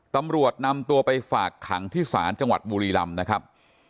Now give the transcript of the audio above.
ตำรวจนำตัวไปฝากขังที่ศาลจังหวัดบุรีรำนะครับ